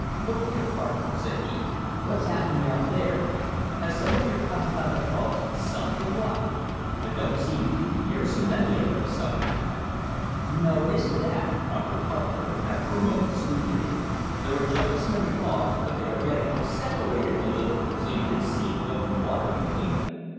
"Look here, Carpenter," said he, "what's happening out there? Have some of your confounded logs SUNK, or what? There don't seem to be near so many of them somehow." "No, it isn't that," proffered Carpenter after a moment's scrutiny, "there are just as many logs, but they are getting separated a little so you can see the open water between them."